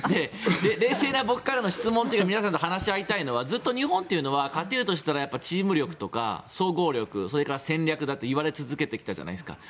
冷静な僕からの質問というか皆さんと話し合いたいのはずっと日本というのは勝てるとしたらチーム力とか総合力、それから戦略だと言われ続けてきたじゃないですか